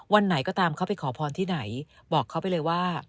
ไหนก็ตามเขาไปขอพรที่ไหนบอกเขาไปเลยว่า